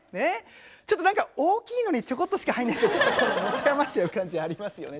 ちょっと何か大きいのにちょこっとしか入んないと持て余しちゃう感じありますよね